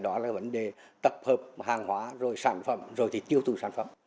đó là vấn đề tập hợp hàng hóa rồi sản phẩm rồi thì tiêu thụ sản phẩm